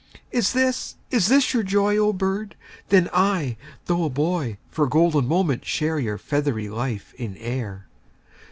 'Is this, is this your joy? O bird, then I, though a boy 10 For a golden moment share Your feathery life in air!